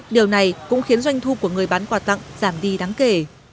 điều này cũng khiến doanh thu của người bán quà tặng giảm đi đáng kể